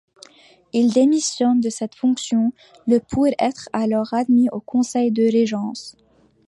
Il démissionne de cette fonction le pour être alors admis au Conseil de régence.